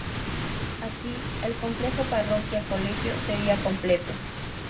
Así el complejo Parroquia-Colegio sería completo.